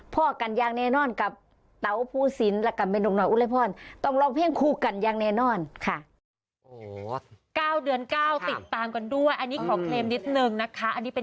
พ่อกันอย่างแน่นอนกับเต๋าผู้สินและกันเป็นหนุ่มหน่อยอุลไล่พร